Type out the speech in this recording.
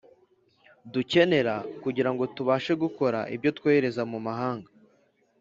dukenera kugirango tubashe gukora ibyo twohereza mu mahanga.